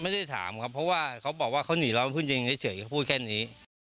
ไม่ได้ถามครับเพราะว่าเขาบอกว่าเขาหนีแล้วเพิ่งยิงเฉยเขาพูดแค่นี้